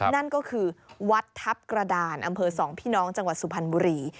นั่นก็คือวัดทัพกระดานอำเภอ๒พี่น้องจังหวัดสุพรรณบุรี